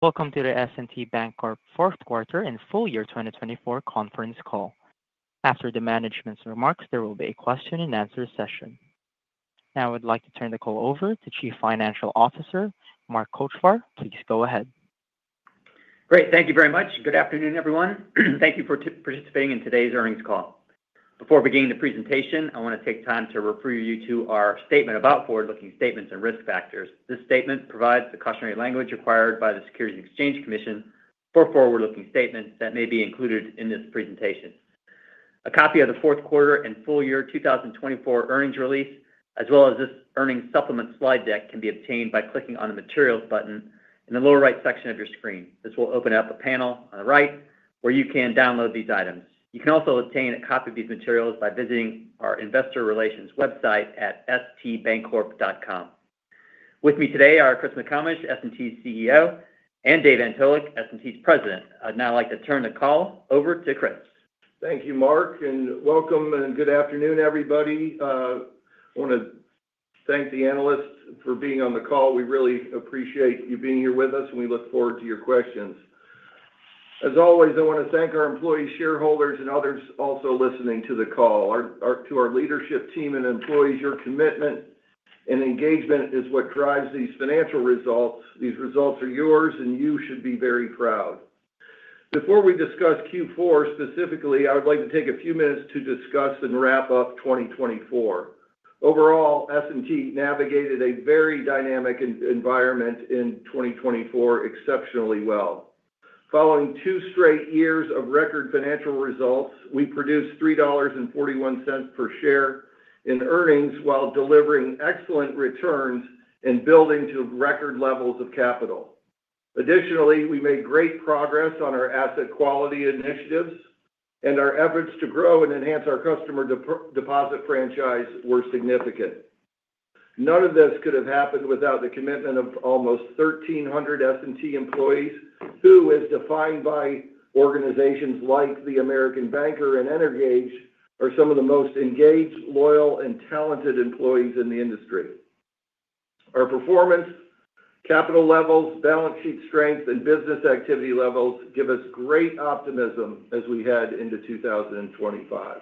Welcome to the S&T Bank Corp Q4 and Full Year 2024 Conference Call. After the management's remarks, there will be a question-and-answer session. Now, I would like to turn the call over to Chief Financial Officer Mark Kochvar. Please go ahead. Great. Thank you very much. Good afternoon, everyone. Thank you for participating in today's earnings call. Before beginning the presentation, I want to take time to refer you to our statement about forward-looking statements and risk factors. This statement provides the cautionary language required by the Securities and Exchange Commission for forward-looking statements that may be included in this presentation. A copy of the Q4 and Full Year 2024 earnings release, as well as this earnings supplement slide deck, can be obtained by clicking on the Materials button in the lower right section of your screen. This will open up a panel on the right where you can download these items. You can also obtain a copy of these materials by visiting our Investor Relations website at stbancorp.com. With me today are Chris McComish, S&T's CEO, and Dave Antolik, S&T's President. Now, I'd like to turn the call over to Chris. Thank you, Mark, and welcome and good afternoon, everybody. I want to thank the analysts for being on the call. We really appreciate you being here with us, and we look forward to your questions. As always, I want to thank our employees, shareholders, and others also listening to the call. To our leadership team and employees, your commitment and engagement is what drives these financial results. These results are yours, and you should be very proud. Before we discuss Q4 specifically, I would like to take a few minutes to discuss and wrap up 2024. Overall, S&T navigated a very dynamic environment in 2024 exceptionally well. Following two straight years of record financial results, we produced $3.41 per share in earnings while delivering excellent returns and building to record levels of capital. Additionally, we made great progress on our asset quality initiatives, and our efforts to grow and enhance our customer deposit franchise were significant. None of this could have happened without the commitment of almost 1,300 S&T employees, who, as defined by organizations like the American Banker and Energage, are some of the most engaged, loyal, and talented employees in the industry. Our performance, capital levels, balance sheet strength, and business activity levels give us great optimism as we head into 2025.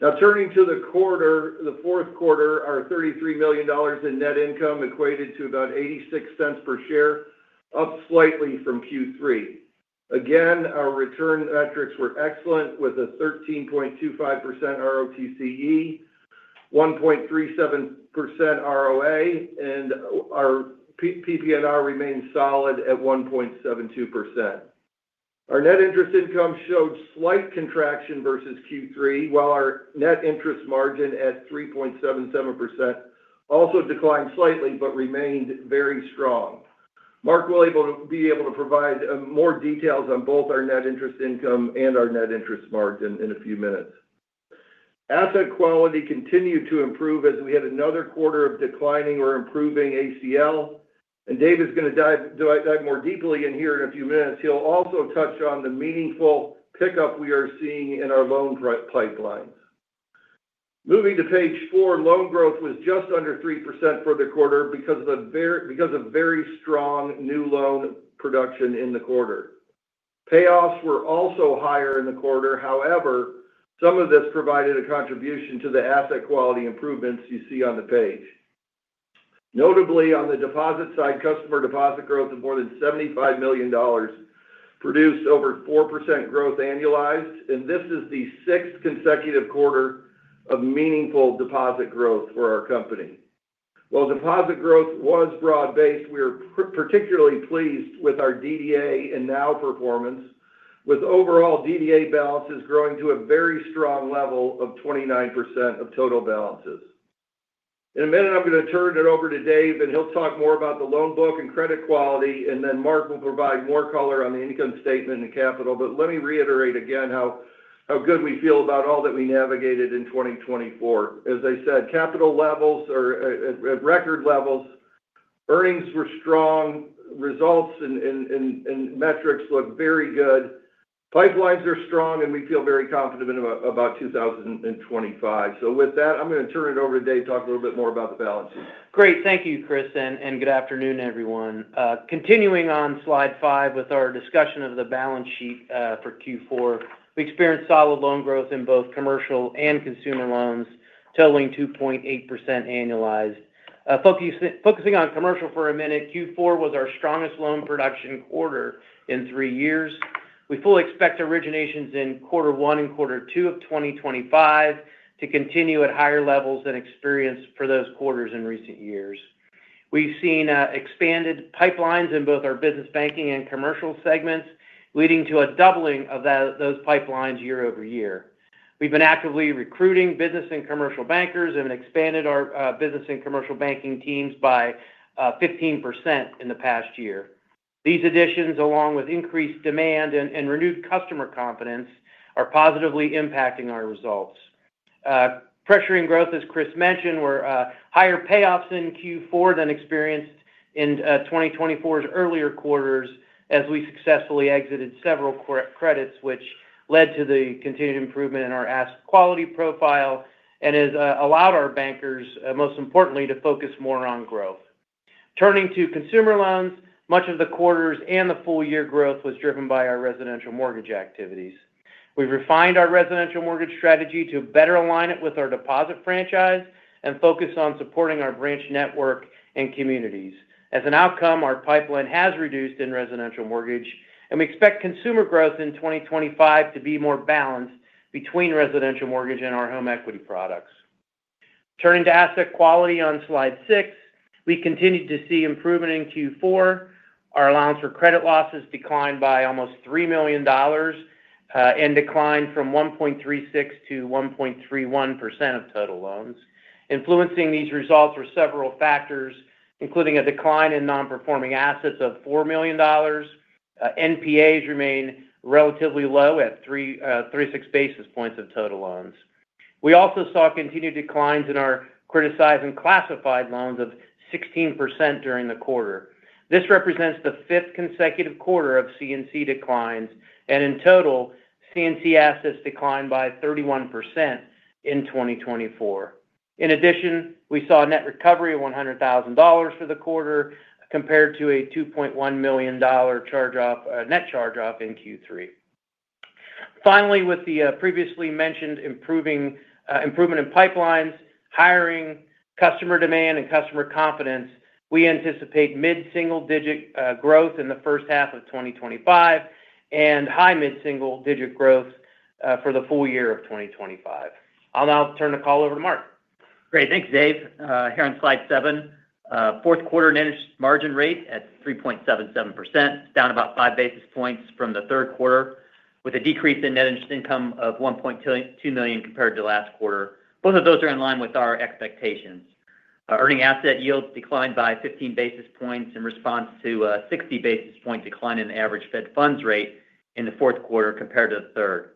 Now, turning to the quarter, the Q4, our $33 million in net income equated to about $0.86 per share, up slightly from Q3. Again, our return metrics were excellent, with a 13.25% ROTCE, 1.37% ROA, and our PPNR remained solid at 1.72%. Our net interest income showed slight contraction versus Q3, while our net interest margin at 3.77% also declined slightly but remained very strong. Mark will be able to provide more details on both our net interest income and our net interest margin in a few minutes. Asset quality continued to improve as we had another quarter of declining or improving ACL, and Dave is going to dive more deeply in here in a few minutes. He'll also touch on the meaningful pickup we are seeing in our loan pipelines. Moving to page four, loan growth was just under 3% for the quarter because of very strong new loan production in the quarter. Payoffs were also higher in the quarter. However, some of this provided a contribution to the asset quality improvements you see on the page. Notably, on the deposit side, customer deposit growth of more than $75 million produced over 4% growth annualized, and this is the sixth consecutive quarter of meaningful deposit growth for our company. While deposit growth was broad-based, we are particularly pleased with our DDA and NOW performance, with overall DDA balances growing to a very strong level of 29% of total balances. In a minute, I'm going to turn it over to Dave, and he'll talk more about the loan book and credit quality, and then Mark will provide more color on the income statement and capital, but let me reiterate again how good we feel about all that we navigated in 2024. As I said, capital levels are at record levels. Earnings were strong. Results and metrics look very good. Pipelines are strong, and we feel very confident about 2025, so with that, I'm going to turn it over to Dave to talk a little bit more about the balance. Great. Thank you, Chris, and good afternoon, everyone. Continuing on slide five with our discussion of the balance sheet for Q4, we experienced solid loan growth in both commercial and consumer loans, totaling 2.8% annualized. Focusing on commercial for a minute, Q4 was our strongest loan production quarter in three years. We fully expect originations in Q1 and Q2 of 2025 to continue at higher levels than experienced for those quarters in recent years. We've seen expanded pipelines in both our business banking and commercial segments, leading to a doubling of those pipelines year over year. We've been actively recruiting business and commercial bankers and expanded our business and commercial banking teams by 15% in the past year. These additions, along with increased demand and renewed customer confidence, are positively impacting our results. Pressuring growth, as Chris mentioned, were higher payoffs in Q4 than experienced in 2024's earlier quarters as we successfully exited several credits, which led to the continued improvement in our asset quality profile and has allowed our bankers, most importantly, to focus more on growth. Turning to consumer loans, much of the quarter's and the full-year growth was driven by our residential mortgage activities. We've refined our residential mortgage strategy to better align it with our deposit franchise and focus on supporting our branch network and communities. As an outcome, our pipeline has reduced in residential mortgage, and we expect consumer growth in 2025 to be more balanced between residential mortgage and our home equity products. Turning to asset quality on slide six, we continued to see improvement in Q4. Our allowance for credit losses declined by almost $3 million and declined from 1.36%-1.31% of total loans. Influencing these results were several factors, including a decline in non-performing assets of $4 million. NPAs remained relatively low at 36 basis points of total loans. We also saw continued declines in our criticized and classified loans of 16% during the quarter. This represents the fifth consecutive quarter of CNC declines, and in total, CNC assets declined by 31% in 2024. In addition, we saw a net recovery of $100,000 for the quarter compared to a $2.1 million charge-off, net charge-off in Q3. Finally, with the previously mentioned improving, improvement in pipelines, hiring, customer demand, and customer confidence, we anticipate mid-single-digit growth in the first half of 2025 and high mid-single-digit growth for the full year of 2025. I'll now turn the call over to Mark. Great. Thanks, Dave. Here on slide seven, Q4 net interest margin rate at 3.77%, down about five basis points from the Q3, with a decrease in net interest income of $1.2 million compared to last quarter. Both of those are in line with our expectations. Earning asset yields declined by 15 basis points in response to a 60 basis points decline in the average Fed funds rate in the fourth quarter compared to the third.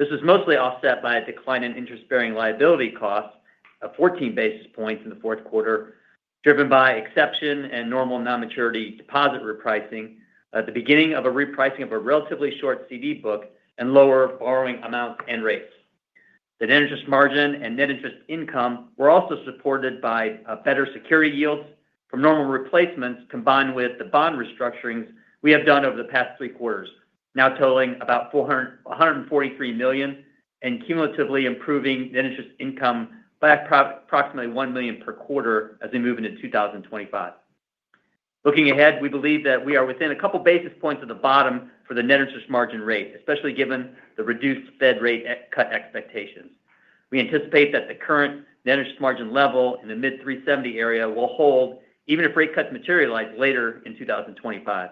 This was mostly offset by a decline in interest-bearing liability costs of 14 basis points in the Q4, driven by exception and normal non-maturity deposit repricing, at the beginning of a repricing of a relatively short CD book and lower borrowing amounts and rates. The net interest margin and net interest income were also supported by better security yields from normal replacements combined with the bond restructurings we have done over the past three quarters, now totaling about $143 million and cumulatively improving net interest income by approximately $1 million per quarter as we move into 2025. Looking ahead, we believe that we are within a couple of basis points at the bottom for the net interest margin rate, especially given the reduced Fed rate cut expectations. We anticipate that the current net interest margin level in the mid-370 area will hold even if rate cuts materialize later in 2025.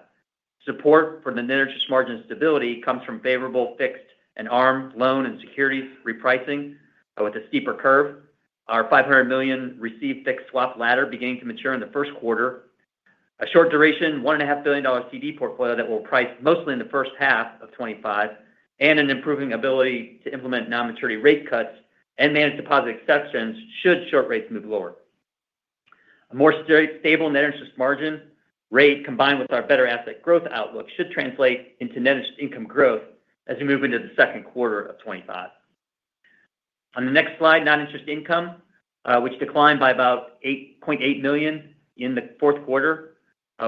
Support for the net interest margin stability comes from favorable fixed and ARM loan and securities repricing with a steeper curve. Our $500 million receive-fixed swap ladder beginning to mature in the Q1, a short-duration, $1.5 billion CD portfolio that will price mostly in the first half of 2025, and an improving ability to implement non-maturity rate cuts and managed deposit exceptions should short rates move lower. A more stable net interest margin rate combined with our better asset growth outlook should translate into net interest income growth as we move into the Q2 of 2025. On the next slide, non-interest income, which declined by about $8.8 million in the Q4.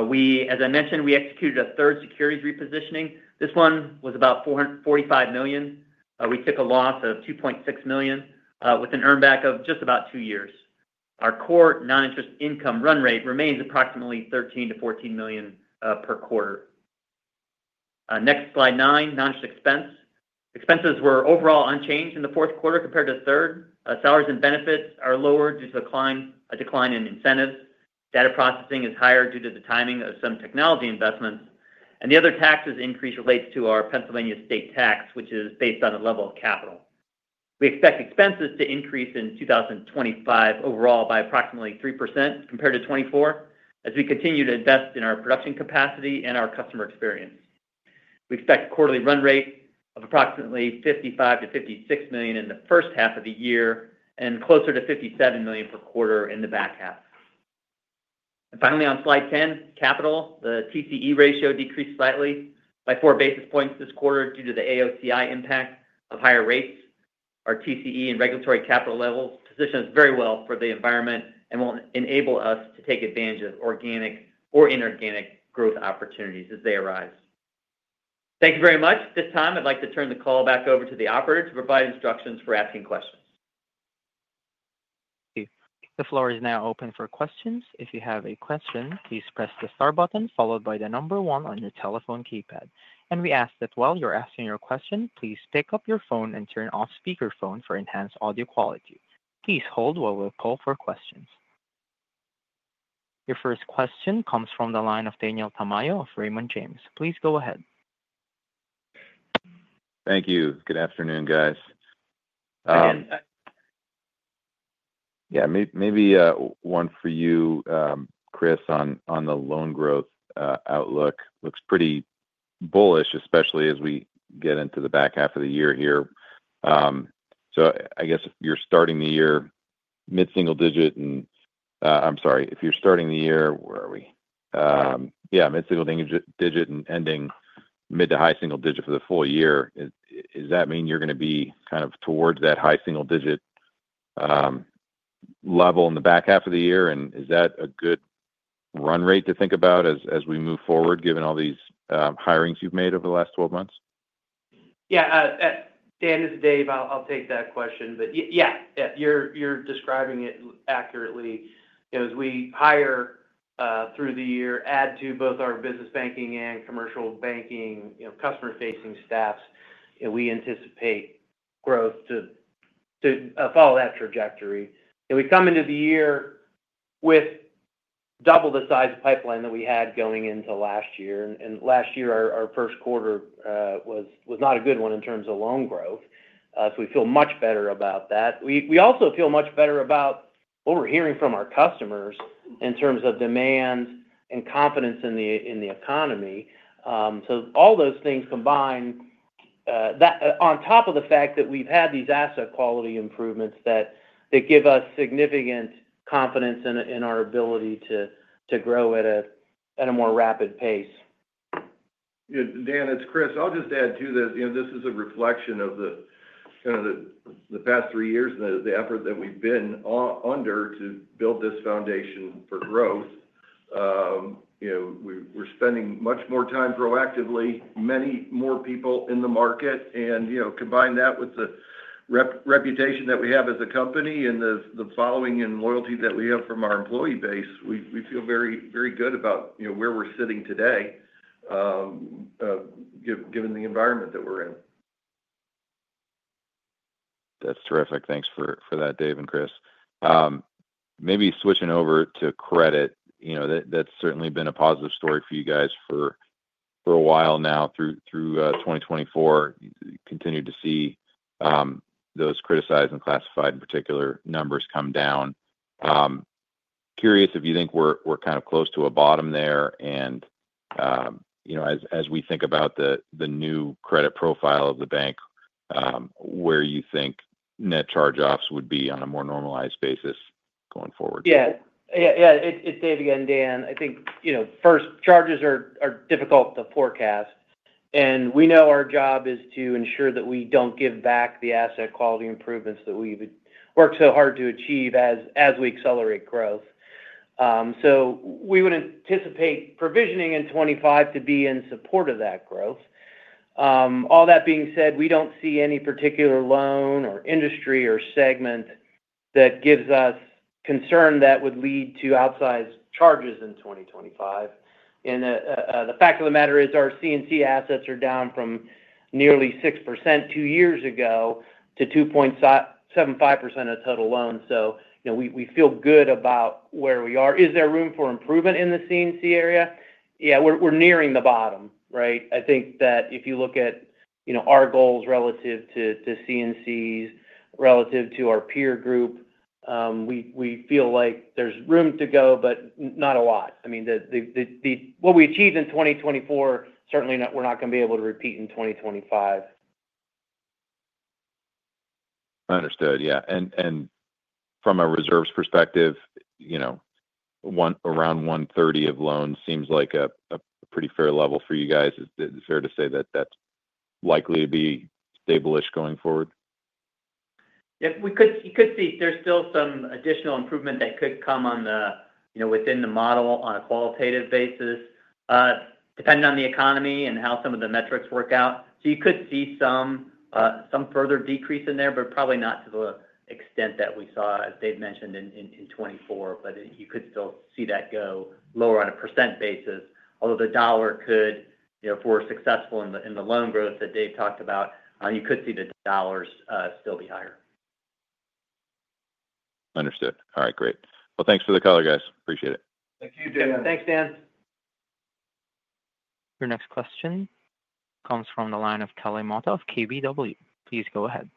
We as I mentioned, we executed a third securities repositioning. This one was about $45 million. We took a loss of $2.6 million with an earnback of just about two years. Our core non-interest income run rate remains approximately $13 million-$14 million per quarter. Our next, slide nine, non-interest expense. Expenses were overall unchanged in the Q4 compared to the third. Salaries and benefits are lower due to a decline in incentives. Data processing is higher due to the timing of some technology investments, and the other taxes increase relates to our Pennsylvania state tax, which is based on the level of capital. We expect expenses to increase in 2025 overall by approximately 3% compared to 2024 as we continue to invest in our production capacity and our customer experience. We expect a quarterly run rate of approximately $55 million-$56 million in the first half of the year and closer to $57 million per quarter in the back half, and finally, on slide 10, capital. The TCE ratio decreased slightly by four basis points this quarter due to the AOCI impact of higher rates. Our TCE and regulatory capital levels position us very well for the environment and will enable us to take advantage of organic or inorganic growth opportunities as they arise. Thank you very much. At this time, I'd like to turn the call back over to the operator to provide instructions for asking questions. The floor is now open for questions. If you have a question, please press the star button followed by the number one on your telephone keypad. And we ask that while you're asking your question, please pick up your phone and turn off speakerphone for enhanced audio quality. Please hold while we'll call for questions. Your first question comes from the line of Daniel Tamayo of Raymond James. Please go ahead. Thank you. Good afternoon, guys. Yeah, maybe one for you, Chris, on the loan growth outlook. Looks pretty bullish, especially as we get into the back half of the year here. So I guess if you're starting the year mid-single digit and I'm sorry. If you're starting the year where are we? Yeah, mid-single digit and ending mid to high single digit for the full year. Is that mean you're going to be kind of towards that high single digit level in the back half of the year? And is that a good run rate to think about as we move forward, given all these hirings you've made over the last 12 months? Yeah. At the end of the day, I'll take that question. But yeah, you're describing it accurately. As we hire through the year, add to both our business banking and commercial banking customer-facing staffs, we anticipate growth to follow that trajectory. And we come into the year with double the size pipeline that we had going into last year. And last year, our Q1 was not a good one in terms of loan growth. So we feel much better about that. We also feel much better about what we're hearing from our customers in terms of demand and confidence in the economy. So all those things combined, on top of the fact that we've had these asset quality improvements that give us significant confidence in our ability to grow at a more rapid pace. Yeah, Dan, it's Chris. I'll just add to this. This is a reflection of the kind of the past three years and the effort that we've been under to build this foundation for growth. You know we're spending much more time proactively, many more people in the market, and you know combine that with the reputation that we have as a company and the following and loyalty that we have from our employee base. We feel very good about where we're sitting today you know given the environment that we're in. That's terrific. Thanks for that, Dave and Chris. Maybe switching over to credit. You know that's certainly been a positive story for you guys for a while now through 2024. Continued to see those criticized and classified in particular numbers come down. Curious if you think we're kind of close to a bottom there, and you know as we think about the new credit profile of the bank, where you think net charge-offs would be on a more normalized basis going forward? Yeah. Yeah, yeah. It's Dave again, Dan. I think you know first, charges are difficult to forecast, and we know our job is to ensure that we don't give back the asset quality improvements that we've worked so hard to achieve as we accelerate growth, so we would anticipate provisioning in 2025 to be in support of that growth. All that being said, we don't see any particular loan or industry or segment that gives us concern that would lead to outsized charges in 2025, and the fact of the matter is our CNC assets are down from nearly 6% two years ago to 2.75% of total loans, so we feel good about where we are. Is there room for improvement in the CNC area? Yeah, we're nearing the bottom, right? I think that if you look at you know our goals relative to CNCs, relative to our peer group, we feel like there's room to go, but not a lot. I mean that, what we achieved in 2024, certainly we're not going to be able to repeat in 2025. Understood. Yeah. And from a reserves perspective, you know around 130 of loans seems like a pretty fair level for you guys. Is it fair to say that that's likely to be stable going forward? Yeah, you could see there's still some additional improvement that could come on within the model on a qualitative basis, depending on the economy and how some of the metrics work out. So you could see some some further decrease in there, but probably not to the extent that we saw, as Dave mentioned, in 2024. But you could still see that you know lower on a percent basis. Although the dollar could, if we're successful in the loan growth that Dave talked about, you could see the dollars still be higher. Understood. All right, great. Well, thanks for the call, guys. Appreciate it. Thank you, Dan. Thanks, Dan. Your next question comes from the line of Kelly Motta of KBW. Please go ahead.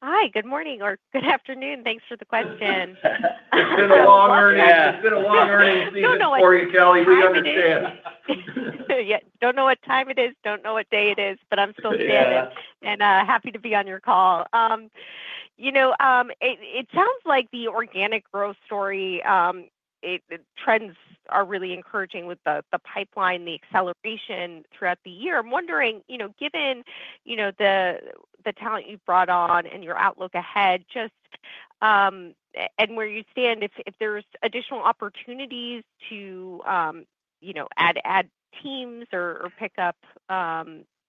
Hi, good morning or good afternoon. Thanks for the question. It's been a long earning Yeah. It's been a long earnings season for you, Kelly. We understand. No, no. Yeah. Don't know what time it is. Don't know what day it is, but I'm still standing and happy to be on your call. You know it sounds like the organic growth story, trends are really encouraging with the pipeline, the acceleration throughout the year. I'm wondering, you know given you know the talent you've brought on and your outlook ahead, just and where you stand, if there's additional opportunities to you know add teams or pick up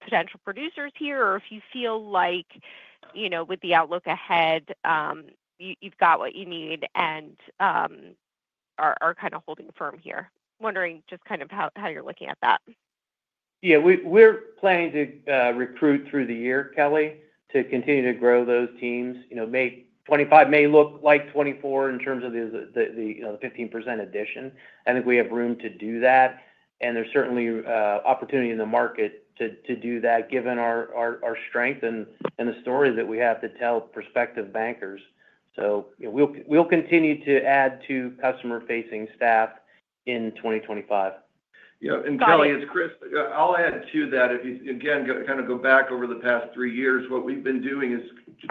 potential producers here, or if you feel like you know with the outlook ahead, you've got what you need and are kind of holding firm here. Wondering just kind of how you're looking at that. Yeah, we're planning to recruit through the year, Kelly, to continue to grow those teams. May 2025 may look like 2024 in terms of the 15% addition. And if we have room to do that. And there's certainly opportunity in the market to do that given our strength and the story that we have to tell prospective bankers. So we'll continue to add to customer-facing staff in 2025. Yeah. And Kelly, it's Chris. I'll add to that. Again, kind of go back over the past three years, what we've been doing is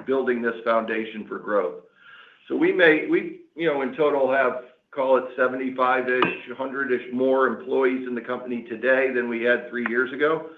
building this foundation for growth. So we may you know in total have, call it 75-ish, 100-ish more employees in the company today than we had three years ago.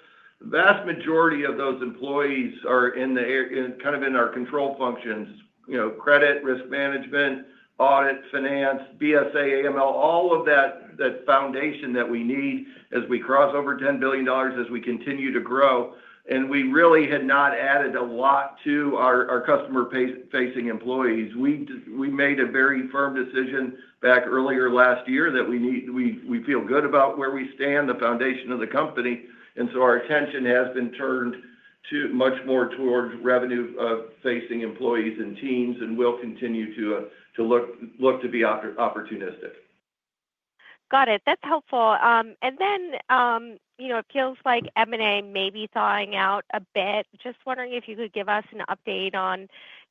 The vast majority of those employees are kind of in our control functions you know: credit, risk management, audit, finance, BSA, AML, all of that foundation that we need as we cross over $10 billion as we continue to grow. And we really had not added a lot to our customer-facing employees. We made a very firm decision back earlier last year that we feel good about where we stand, the foundation of the company. And so our attention has been turned much more towards revenue-facing employees and teams and will continue to look to be opportunistic. Got it. That's helpful. And then you know it feels like M&A may be thawing out a bit. Just wondering if you could give us an update on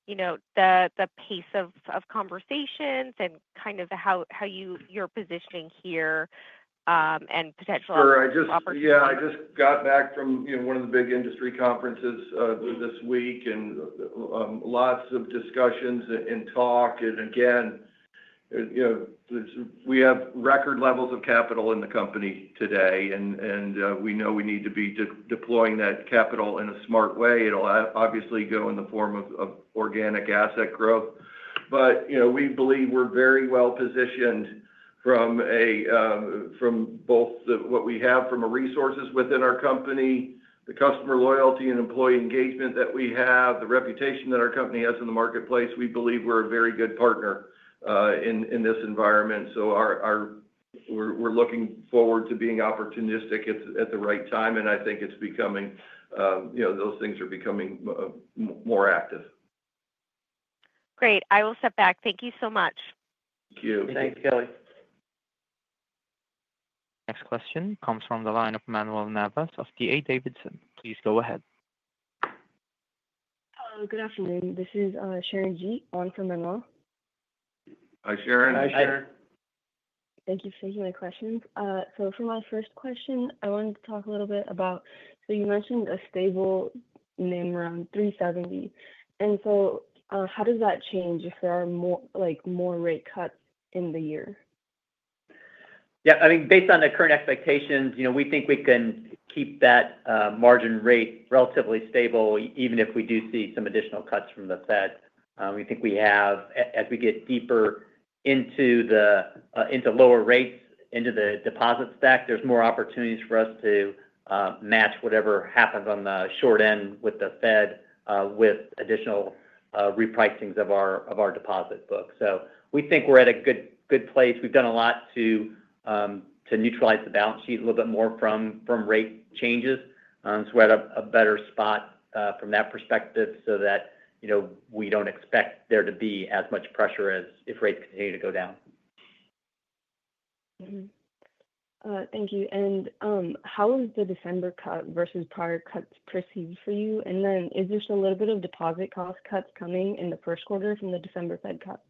you know the piece of conversations and kind of how how you're positioning here and potential opportunities? Sure. Yeah, I just got back from one of the big industry conferences this week and lots of discussions and talk. And again, you know we have record levels of capital in the company today. And we know we need to be just deploying that capital in a smart way. It'll obviously go in the form of organic asset growth. But you know we believe we're very well positioned from both what we have from resources within our company, the customer loyalty and employee engagement that we have, the reputation that our company has in the marketplace. We believe we're a very good partner in this environment. So we're looking forward to being opportunistic at the right time. And I think it's becoming you know those things are becoming more active. Great. I will step back. Thank you so much. Thank you. Thanks, Kelly. Next question comes from the line of Manuel Navas of D.A. Davidson. Please go ahead. Hello, good afternoon. This is Sharon Gee on from Manuel. Hi, Sharon. Hi, Sharon. Thank you for taking my questions. So for my first question, I wanted to talk a little bit about, so you mentioned a stable NIM around 370. And so how does that change if there are more like more rate cuts in the year? Yeah. I mean, based on the current expectations, you know we think we can keep that margin rate relatively stable even if we do see some additional cuts from the Fed. We think we have, as we get deeper into the into lower rates, into the deposit stack, there's more opportunities for us to match whatever happens on the short end with the Fed with additional repricings of our deposit books. So we think we're at a good place. We've done a lot to neutralize the balance sheet a little bit more from rate changes. So we're at a better spot from that perspective so that you know we don't expect there to be as much pressure as if rates continue to go down. Thank you. And how is the December cut versus prior cuts perceived for you? And then is there still a little bit of deposit cost cuts coming in the Q1 from the December Fed cut?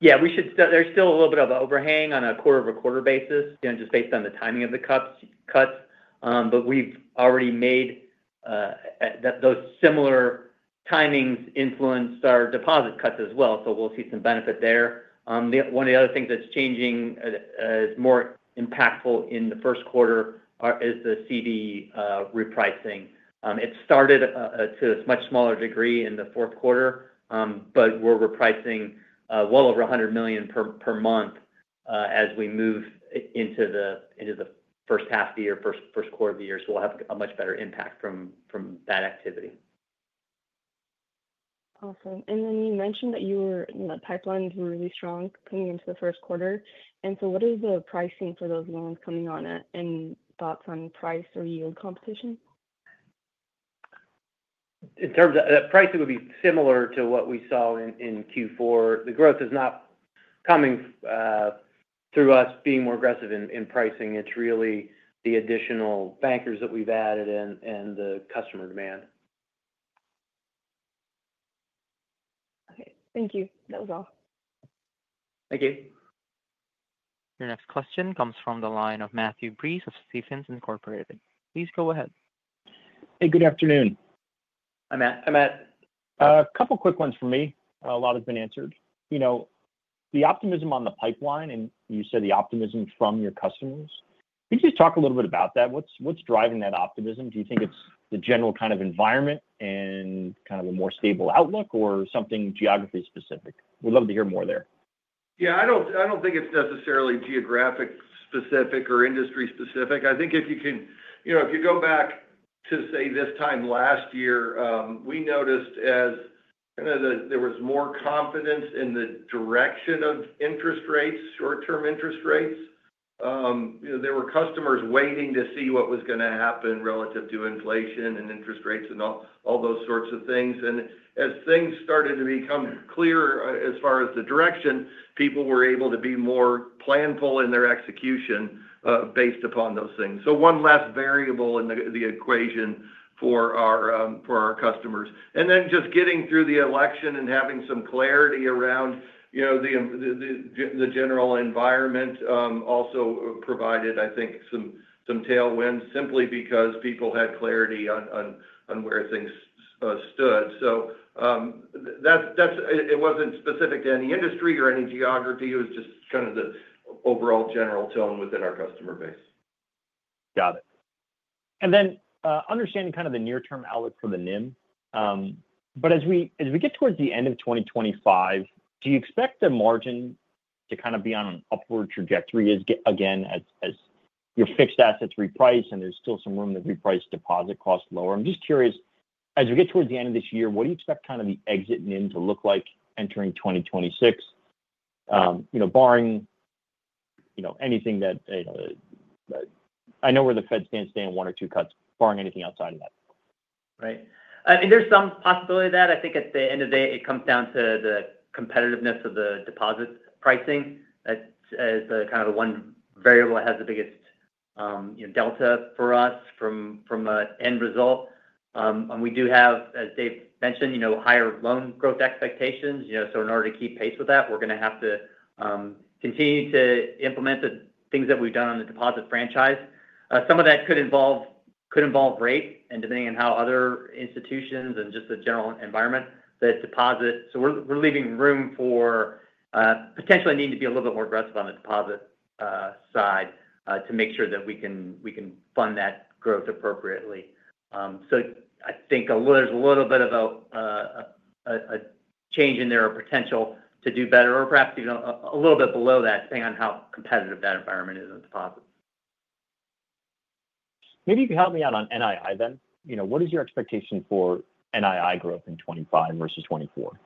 Yeah. We should say there's still a little bit of overhang on a quarter-over-quarter basis just based on the timing of the cuts. But we've already made those similar timings influence our deposit cuts as well. So we'll see some benefit there. One of the other things that's changing is more impactful in the Q1 is the CD repricing. It started to a much smaller degree in the Q4, but we're repricing well over $100 million per month as we move into the first half of the year, Q1 of the year. So we'll have a much better impact from that activity. Awesome. And then you mentioned that your pipeline was really strong coming into the first quarter. And so what is the pricing for those loans coming on it and thoughts on price or yield competition? In terms of the price, it would be similar to what we saw in Q4. The growth is not coming through us being more aggressive in pricing. It's really the additional bankers that we've added and the customer demand. Okay. Thank you. That was all. Thank you. Your next question comes from the line of Matthew Breese of Stephens Incorporated. Please go ahead. Hey, good afternoon. I have a couple of quick ones for me. A lot has been answered. You know the optimism on the pipeline and you said the optimism from your customers. Can you just talk a little bit about that? What's driving that optimism? Do you think it's the general kind of environment and kind of a more stable outlook or something geography-specific? We'd love to hear more there. Yeah. I don't think it's necessarily geographic-specific or industry-specific. I think if you can you know if you go back to, say, this time last year, we noticed as you know there was more confidence in the direction of interest rates, short-term interest rates. You know there were customers waiting to see what was going to happen relative to inflation and interest rates and all those sorts of things. And as things started to become clearer as far as the direction, people were able to be more planful in their execution based upon those things. So one less variable in the equation for our customers. And then just getting through the election and having some clarity around you know the general environment also provided, I think, some tailwinds simply because people had clarity on where things stood. So that that, it wasn't specific to any industry or any geography. It was just kind of the overall general tone within our customer base. Got it. And then understanding kind of the near-term outlook for the NIM. But as we get towards the end of 2025, do you expect the margin to kind of be on an upward trajectory again as your fixed assets reprice and there's still some room to reprice deposit costs lower? I'm just curious, as we get towards the end of this year, what do you expect kind of the exit NIM to look like entering 2026, you know barring you know anything that I know where the Fed stands today on one or two cuts, barring anything outside of that? Right. There's some possibility of that. I think at the end of the day, it comes down to the competitiveness of the deposit pricing as the kind of one variable that has the biggest delta for us from an end result. And we do have, as Dave mentioned, you know higher loan growth expectations. Yeah so in order to keep pace with that, we're gonna have to continue to implement the things that we've done on the deposit franchise. Some of that could involve rate and depending on how other institutions and just the general environment that deposit. So we're leaving room for potentially needing to be a little bit more aggressive on the deposit side to make sure that we can we can fund that growth appropriately. So I think there's a little bit of a change in their potential to do better or perhaps even a little bit below that, depending on how competitive that environment is on deposits. Maybe you can help me out on NII then. What is your expectation for NII growth in 2025 versus 2024?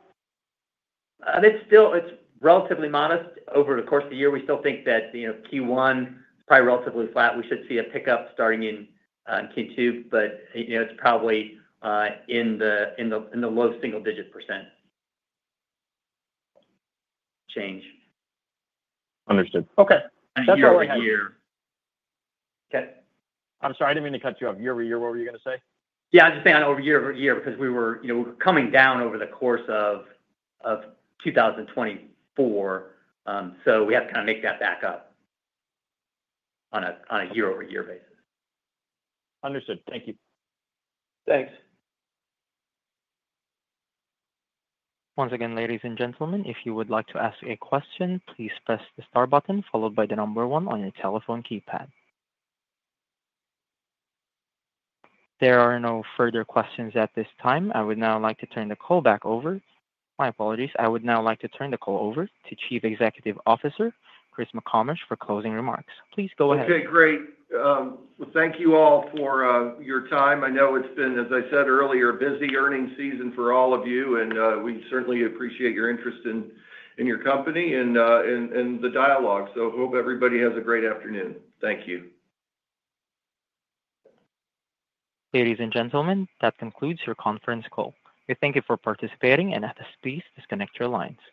I think it's still it's relatively modest over the course of the year. We still think that you know Q1 is probably relatively flat. We should see a pickup starting in Q2, but you know it's probably in the in the low single-digit % change. Understood. Okay. That's all I have. Okay. I'm sorry. I didn't mean to cut you off. Year over year, what were you going to say? Yeah. I was just saying on over year over year because we were you know coming down over the course of 2024. So we have kind of make that back up on a year-over-year basis. Understood. Thank you. Thanks. Once again, ladies and gentlemen, if you would like to ask a question, please press the star button followed by the number one on your telephone keypad. There are no further questions at this time. I would now like to turn the call back over. My apologies. I would now like to turn the call over to Chief Executive Officer Chris McComish for closing remarks. Please go ahead. Okay. Great. Thank you all for your time. I know it's been, as I said earlier, a busy earnings season for all of you. And we certainly appreciate your interest in in our company and the dialogue. So hope everybody has a great afternoon. Thank you. Ladies and gentlemen, that concludes your conference call. We thank you for participating and, at this time, disconnect your lines.